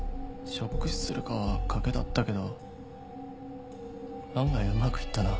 ショック死するかは賭けだったけど案外うまくいったな。